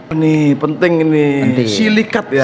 ini penting ini silikat ya